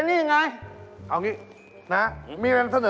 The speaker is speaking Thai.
ลิงร้องลิงร้องครับ